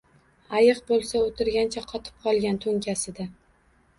Ayiq bo’lsa o’tirgancha, qotib qolgan to’nkasida